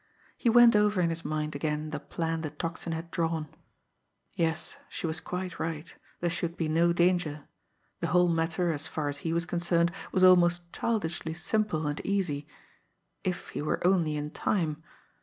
He went over in his mind again the plan the Tocsin had drawn. Yes, she was quite right, there should be no danger, the whole matter as far as he was concerned was almost childishly simple and easy if he were only in time!